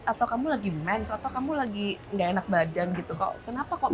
kok kenapa kok minum jamu gitu loh